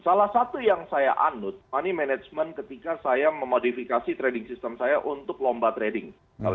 salah satu yang saya anut money management ketika saya memodifikasi trading system saya untuk lomba trading